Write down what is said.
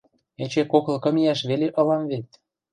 Эче коклы кым иӓш веле ылам вет.